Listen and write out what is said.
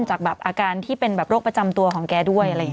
จากอาการที่เป็นโรคประจำตัวของแกด้วย